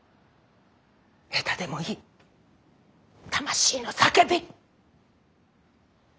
下手でもいい魂の叫び！